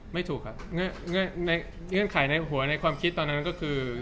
ไม่ถูกครับในเงื่อนไขในหัวในความคิดตอนนั้นก็คือ